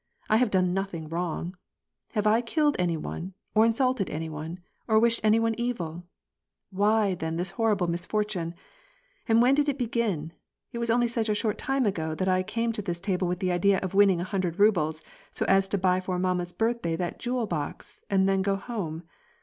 ''I have done nothing wrong. Have I killed any one, or insulted any one, or wished any one evil ? Why, then, this horrible misfortune ? And when did it begin ? It was only such a short time ago that I came to this table with the idea of winning a hundred rubles, so as to buy for mamma's birthday that jewel box, and then go home.